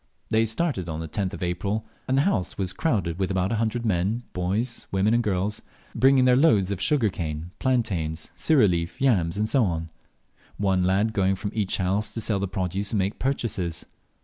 They started on the 10th of April, and the house was crowded with about a hundred men, boys, women, and girls, bringing their loads of sugar cane, plantains, sirih leaf, yams, &c. one lad going from each house to sell the produce and make purchases.